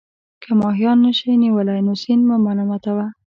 که ماهیان نه شئ نیولای نو سیند مه ملامتوه.